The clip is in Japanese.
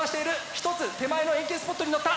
１つ手前の円形スポットにのった！